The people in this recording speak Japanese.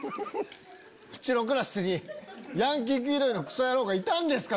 うちのクラスにヤンキー気取りのクソ野郎がいたんですか？